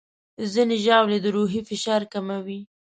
ځینې ژاولې د روحي فشار کموي.